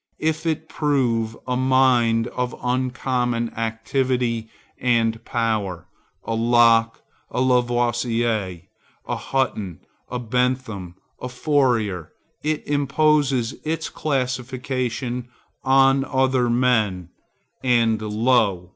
If it prove a mind of uncommon activity and power, a Locke, a Lavoisier, a Hutton, a Bentham, a Fourier, it imposes its classification on other men, and lo!